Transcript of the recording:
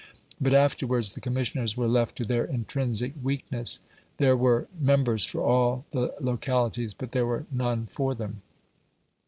But afterwards the Commissioners were left to their intrinsic weakness. There were members for all the localities, but there were none for them.